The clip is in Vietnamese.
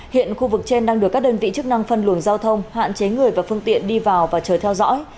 hiện khu vực trên đang được các đơn vị chức năng phân luồng giao thông hạn chế người và phương tiện đi vào và chờ theo dõi